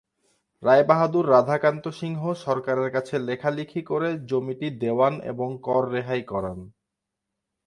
রায় বাহাদুর রাধাকান্ত সিংহ সরকারের কাছে লেখালিখি করে জমিটি দেওয়ান এবং কর রেহাই করান।